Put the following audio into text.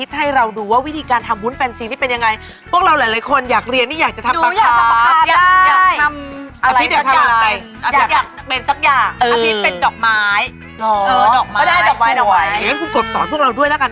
ประมาณมูลค่าของปีที่แล้วก็ประมาณ